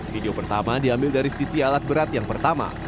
video pertama diambil dari sisi alat berat yang pertama